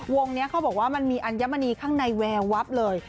วงนี้เขาบอกว่ามันมีอัญมณีข้างในแววับเลย